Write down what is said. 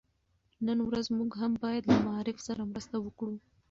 نن ورځ موږ هم بايد له معارف سره مرسته وکړو.